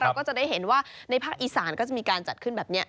ก็จะได้เห็นว่าในภาคอีสานก็จะมีการจัดขึ้นแบบนี้